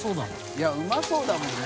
いやうまそうだもんね。